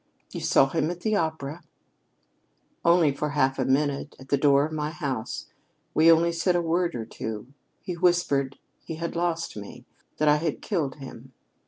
"You saw him after the opera?" "Only for half a minute, at the door of my house. We only said a word or two. He whispered he had lost me that I had killed him.